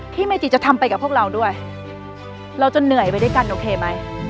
เมจิจะทำไปกับพวกเราด้วยเราจะเหนื่อยไปด้วยกันโอเคไหม